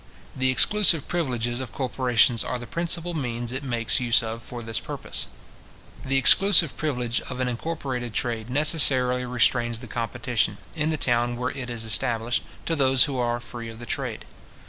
The exclusive privileges of corporations are the principal means it makes use of for this purpose. The exclusive privilege of an incorporated trade necessarily restrains the competition, in the town where it is established, to those who are free of the trade.